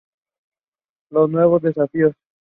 Nuevos desafíos.